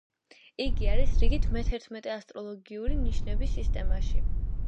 იგი არის რიგით მეთერთმეტე ასტროლოგიური ნიშნების სისტემაში.